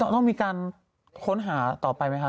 ต้องมีการค้นหาต่อไปไหมคะ